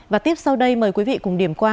và tiếp sau đây mời quý vị cùng điểm qua